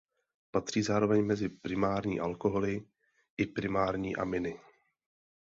Patří zároveň mezi primární alkoholy i primární aminy.